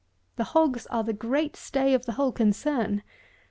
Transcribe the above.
The hogs are the great stay of the whole concern.